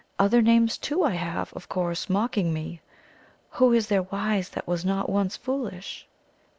Other names, too, I have, of course, mocking me. Who is there wise that was not once foolish?"